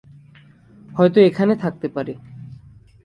হয়তো এখানে থাকতে পারে।